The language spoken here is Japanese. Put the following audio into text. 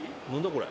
これ。